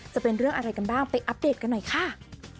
เป็นเรื่องอะไรกันบ้างไปอัปเดตกันหน่อยค่ะ